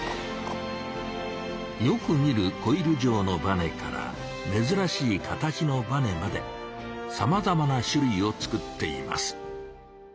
よく見るコイル状のバネからめずらしい形のバネまでさまざまな種類を作っています。